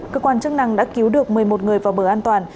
cơ quan chức năng đã cứu được một mươi một người vào bờ an toàn